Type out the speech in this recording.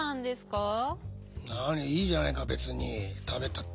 何いいじゃないか別に食べたって。